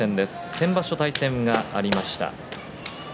先場所も対戦がありました。